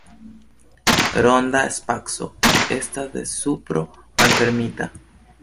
Ronda spaco estas de supro malfermita.